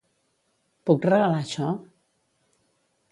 Puc regalar això?